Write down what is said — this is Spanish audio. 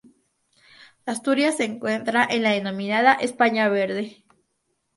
Asturias se encuentra en la denominada "España verde".